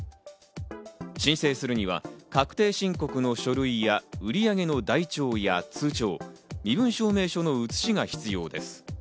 申請するには確定申告の書類や、売り上げの台帳や通帳、身分証明書の写しが必要です。